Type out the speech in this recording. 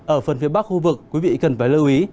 ở phần phía bắc khu vực quý vị cần phải lưu ý